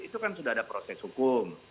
itu kan sudah ada proses hukum